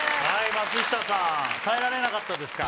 松下さん耐えられなかったですか？